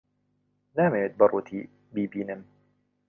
نامەوێت بە ڕووتی بیبینم.